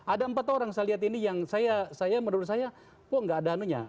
ada empat orang saya lihat ini yang saya menurut saya kok nggak ada anunya